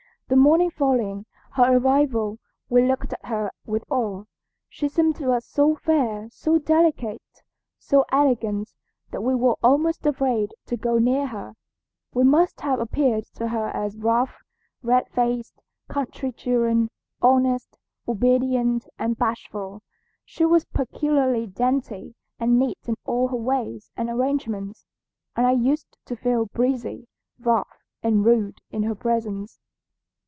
The morning following her arrival we looked at her with awe. She seemed to us so fair, so delicate, so elegant, that we were almost afraid to go near her. We must have appeared to her as rough, red faced, country children, honest, obedient, and bashful. She was peculiarly dainty and neat in all her ways and arrangements, and I used to feel breezy, rough, and rude in her presence.